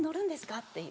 っていう。